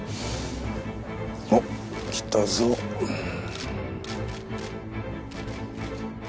おっ来たぞうん。